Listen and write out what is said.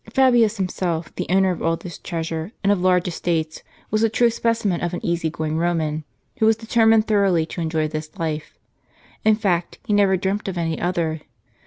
Fabius himself, the owner of all this treasure and of large estates, was a true specimen of an easy going Eoman, who was determined thoroughly to enjoy this life. In fact, he never dreamt of any other.